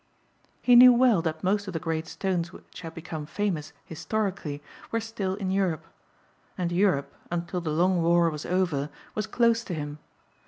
He knew well that most of the great stones which had became famous historically were still in Europe. And Europe, until the long war was over, was closed to him.